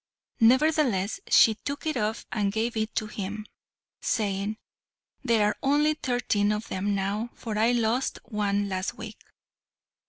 Nevertheless she took it off, and gave it him, saying, "There are only thirteen of 'em now, for I lost one last week."